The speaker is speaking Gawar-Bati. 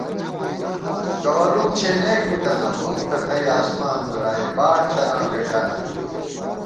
گوَرُوم چھېنېک بِتَنہ بُم کھکَئ آسمان دُرائےباڈ تران رېٹان دِمېت